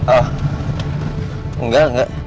oh enggak enggak